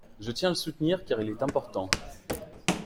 Je tiens à le soutenir, car il est important.